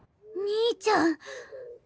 兄ちゃん。